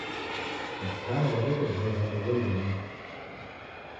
Mkutano ghwa w'eke dreva ndoghuendie nicha.